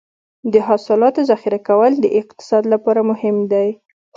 د حاصلاتو ذخیره کول د اقتصاد لپاره مهم دي.